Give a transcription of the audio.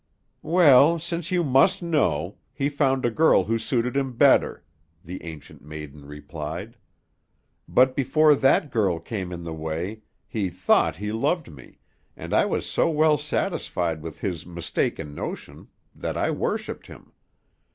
"Well, since you must know, he found a girl who suited him better," the Ancient Maiden replied. "But before that girl came in the way, he thought he loved me, and I was so well satisfied with his mistaken notion that I worshipped him.